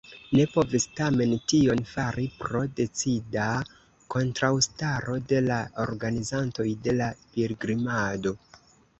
Ne povis tamen tion fari pro decida kontraŭstaro de la organizantoj de la pilgrimado.